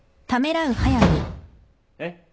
えっ？